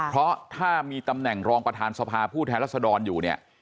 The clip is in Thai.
เพราะถ้ามีตำแหน่งรองประธานสภาผู้แทนรัศดรอยู่เนี่ย